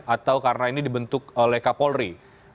atau karena ini dibentuk oleh kapolri